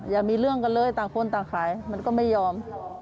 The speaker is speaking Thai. อย่ามีเรื่องกันเลยต่างคนต่างขายมันก็ไม่ยอม